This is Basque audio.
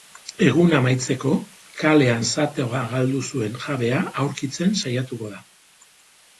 Eguna amaitzeko, kalean zahatoa galdu duen jabea aurkitzen saiatuko da.